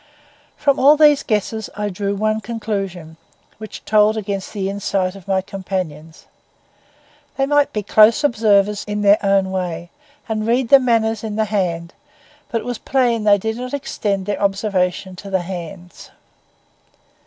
From all these guesses I drew one conclusion, which told against the insight of my companions. They might be close observers in their own way, and read the manners in the face; but it was plain that they did not extend their observation to the hands.